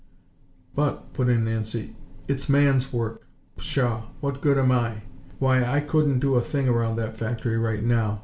"But," put in Nancy, "it's man's work. Pshaw!! What good am I? Why, I couldn't do a thing around that factory, right now!